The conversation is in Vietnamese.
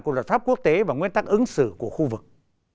của luật pháp quốc tế và nguyên tắc ứng xử của khu vực